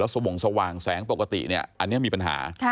สวงสว่างแสงปกติเนี่ยอันนี้มีปัญหา